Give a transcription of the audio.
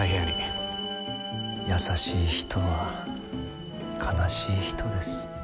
優しい人は悲しい人です。